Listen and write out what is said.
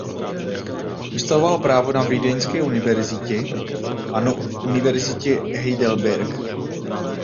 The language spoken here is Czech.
Vystudoval právo na Vídeňské univerzitě a na Univerzitě Heidelberg.